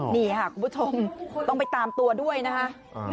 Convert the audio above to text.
นี่ค่ะคุณผู้ชมต้องไปตามตัวด้วยนะคะ